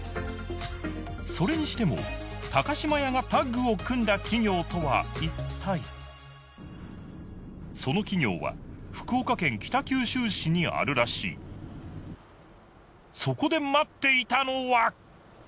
それにしても島屋がタッグを組んだ企業とはいったいその企業は福岡県北九州市にあるらしいそこで待っていたのは！